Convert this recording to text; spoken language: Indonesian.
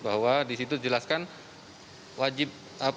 bahwa di situ dijelaskan wajib